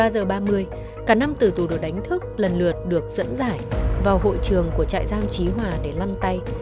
ba giờ ba mươi cả năm từ tù đồ đánh thức lần lượt được dẫn giải vào hội trường của trại giam trí hòa để lăn tay